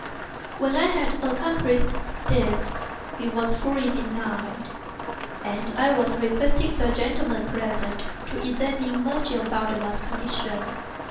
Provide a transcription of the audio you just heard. When I had accomplished this, it was fully midnight, and I requested the gentlemen present to examine M. Valdemar's condition.